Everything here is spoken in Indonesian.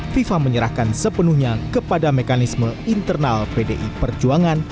fifa menyerahkan sepenuhnya kepada mekanisme internal pdi perjuangan